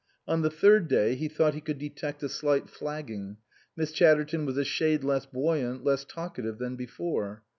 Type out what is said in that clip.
On the third day he thought he could detect a slight flagging ; Miss Chatterton was a shade less buoyant, less talkative than before.